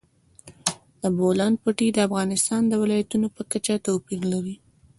د بولان پټي د افغانستان د ولایاتو په کچه توپیر لري.